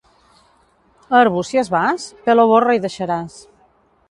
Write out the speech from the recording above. A Arbúcies vas? Pèl o borra hi deixaràs.